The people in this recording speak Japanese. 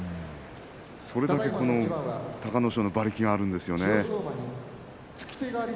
それだけ隆の勝の馬力があるんですね。